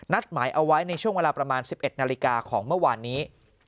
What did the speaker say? หมายเอาไว้ในช่วงเวลาประมาณ๑๑นาฬิกาของเมื่อวานนี้